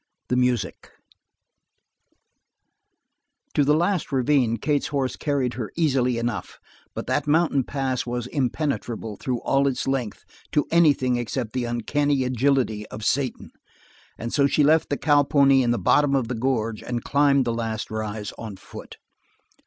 The Music To the last ravine Kate's horse carried her easily enough, but that mountain pass was impenetrable through all its length to anything except the uncanny agility of Satan, and so she left the cow pony in the bottom of the gorge and climbed the last rise on foot.